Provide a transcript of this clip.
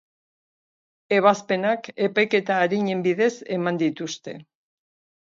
Ebazpenak epaiketa arinen bidez eman dituzte.